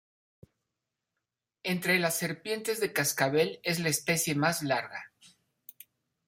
Entre las serpientes de cascabel es la especie más larga.